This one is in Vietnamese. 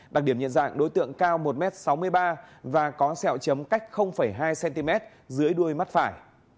đặc điểm nhận dạng đối tượng cao một m sáu mươi ba và có sẹo chấm cách hai cm dưới đuôi mắt phải